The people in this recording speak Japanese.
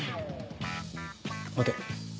待て。